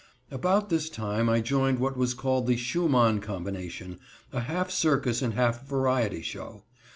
About this time I joined what was called the Schumann Combination, a half circus and half variety show.